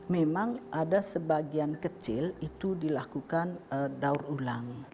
memang ada sebagian kecil itu dilakukan daur ulang